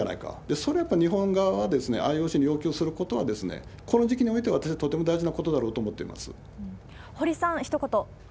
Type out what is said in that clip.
それをやっぱり日本側はＩＯＣに要求することは、この時期においては私はとても大事なことだろう堀さん、ひと言。